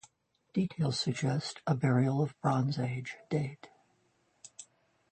Details suggest a burial of Bronze Age date.